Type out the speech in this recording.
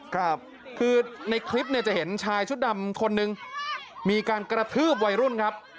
ครับคือในคลิปเนี่ยจะเห็นชายชุดดำคนนึงมีการกระทืบวัยรุ่นครับ